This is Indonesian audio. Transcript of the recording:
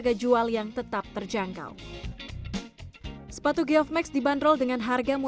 kualitasnya yang oke gitu